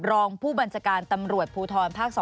รองผู้บัญชาการตำรวจภูทรภาค๒